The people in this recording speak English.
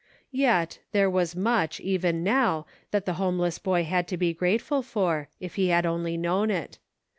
Yet, there was much, even now, that the homeless boy had to be grate ful for, if he had only known it.